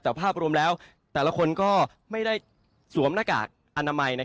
แต่ภาพรวมแล้วแต่ละคนก็ไม่ได้สวมหน้ากากอนามัย